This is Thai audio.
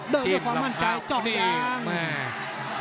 เดินด้วยความมั่นใจจอกยาง